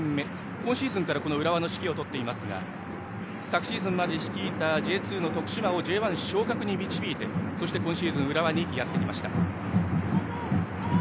今シーズンから浦和の指揮を執っていますが昨シーズンまで率いたＪ２の徳島をＪ１昇格に導いて、今シーズン浦和にやってきました。